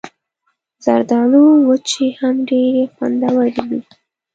زردالو وچې هم ډېرې خوندورې وي.